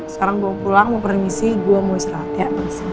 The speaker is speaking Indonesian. sekarang mau pulang mau permisi gue mau istirahat ya